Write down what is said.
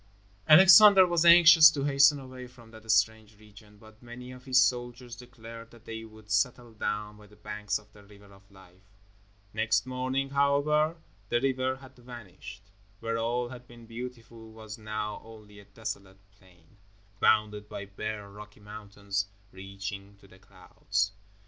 Alexander was anxious to hasten away from that strange region, but many of his soldiers declared that they would settle down by the banks of the River of Life. Next morning, however, the river had vanished. Where all had been beautiful was now only a desolate plain, bounded by bare rocky mountains, reaching to the clouds.